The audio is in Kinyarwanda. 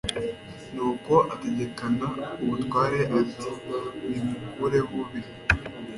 Nuko ategekana ubutware ati : "Nimukureho bino."